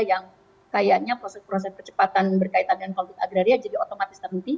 yang kayaknya proses proses percepatan berkaitan dengan konflik agraria jadi otomatis terhenti